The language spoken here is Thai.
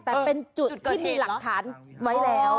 แต่เป็นจุดที่มีหลักฐานไว้แล้ว